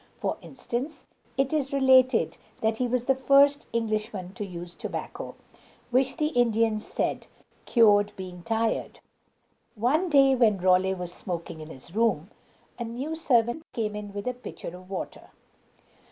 For instance, it is related that he was the first Englishman to use tobacco, which the Indians said "cured being tired." One day, when Raleigh was smoking in his room, a new servant came in with a pitcher of water.